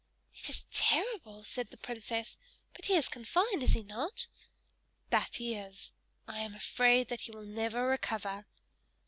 "It is terrible!" said the princess; "but he is confined, is he not?" "That he is. I am afraid that he will never recover."